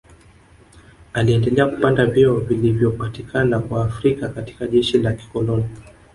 Aliendelea kupanda vyeo vilivyopatikana kwa Waafrika katika jeshi la kikoloni